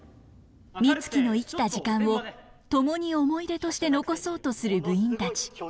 ミツキの生きた時間をともに思い出として残そうとする部員たち。